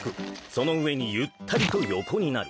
その上にゆったりと横になる。